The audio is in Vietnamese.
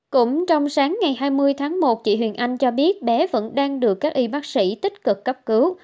cũng trong sáng ngày hai mươi tháng một chị huyền anh cho biết bé vẫn đang được các y bác sĩ tích cực cấp cứu